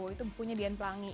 itu bukunya dian plangi